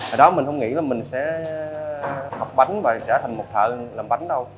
ở đó mình không nghĩ là mình sẽ học bánh và trở thành một thợ làm bánh đâu